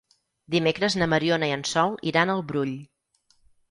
Dimecres na Mariona i en Sol iran al Brull.